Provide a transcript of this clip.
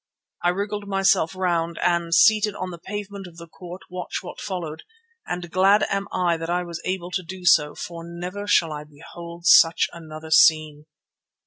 I wriggled myself round and, seated on the pavement of the court, watched what followed, and glad am I that I was able to do so, for never shall I behold such another scene.